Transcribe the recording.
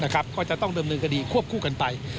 ก็จะต้องดำเนินคดีควบคู่กันไป